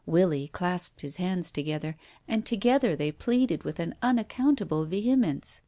Willie clasped his hands to gether, and together they pleaded with an unaccountable vehemence.